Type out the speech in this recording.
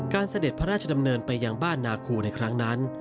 เสด็จพระราชดำเนินไปยังบ้านนาคูในครั้งนั้น